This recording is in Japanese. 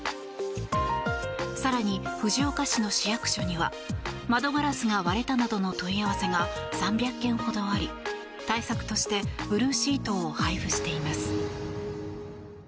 更に、藤岡市の市役所には窓ガラスが割れたなどの問い合わせが３００件ほどあり対策としてブルーシートを配布しています。